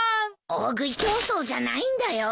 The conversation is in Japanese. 大食い競走じゃないんだよ？